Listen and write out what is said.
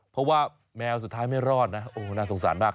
เพราะว่าแมวสุดท้ายไม่รอดนะโอ้โหน่าสงสารมาก